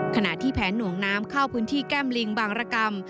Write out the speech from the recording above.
ขณะที่แผนหน่วงน้ำเข้าพื้นที่แก้มลิงบางรกรรม